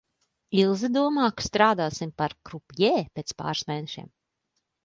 Ilze domā, ka strādāsim par krupjē pēc pāris mēnešiem.